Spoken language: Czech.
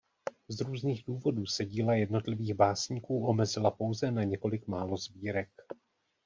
Z různých důvodů se díla jednotlivých básníků omezila pouze na několik málo sbírek.